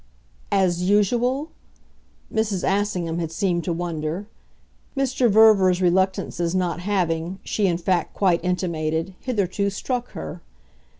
"'As usual' ?" Mrs. Assingham had seemed to wonder; Mr. Verver's reluctances not having, she in fact quite intimated, hitherto struck her.